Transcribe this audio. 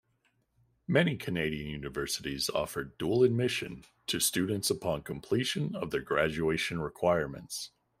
Many Canadian universities offer dual admission to students upon completion of their graduation requirements.